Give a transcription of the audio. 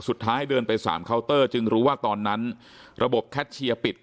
เดินไปสามเคาน์เตอร์จึงรู้ว่าตอนนั้นระบบแคทเชียร์ปิด